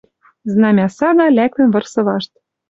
Знамя сага лӓктӹн вырсы вашт.